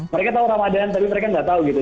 mereka tahu ramadan tapi mereka nggak tahu gitu